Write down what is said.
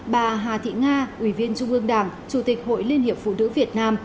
bà hà thị nga ủy viên trung ương đảng chủ tịch hội liên hiệp phụ nữ việt nam